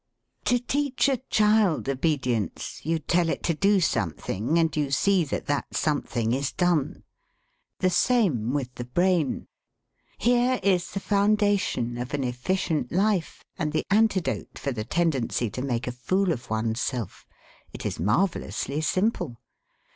To teach a child obedience you tell it to do something, and you see that that something is done. The same with the brain. Here is the foundation of an efficient life and the antidote for the tendency to make a fool of oneself. It is marvellously simple.